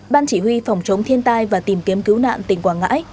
ban chỉ huy phòng chống thiên tai và tìm kiếm cứu nạn tỉnh quảng ngãi